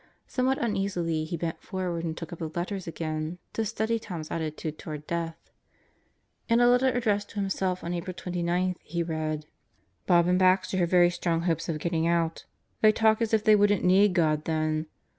Somewhat uneasily he bent forward and took up the letters again, to study Tom's attitude toward death. In a letter addressed to himself on April 29, he read: Bob and Baxter have very strong hopes of getting out. They talk as if they wouldn't need God then!